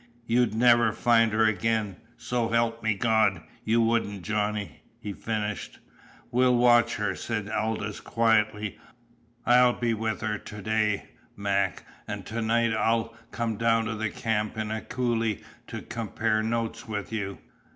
"You'd never find her again, so 'elp me God, you wouldn't, Johnny!" he finished. "We'll watch her," said Aldous quietly. "I'll be with her to day, Mac, and to night I'll come down to the camp in the coulee to compare notes with you.